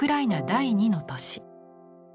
第二の都市。